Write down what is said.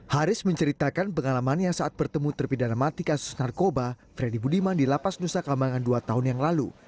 haris menceritakan pengalamannya saat bertemu terpidana mati kasus narkoba freddy budiman di lapas nusa kambangan dua tahun yang lalu